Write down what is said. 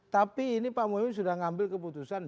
tapi ini pak moyo sudah mengambil keputusan join